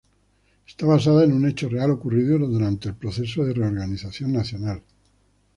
Está basada en un hecho real ocurrido durante el Proceso de Reorganización Nacional.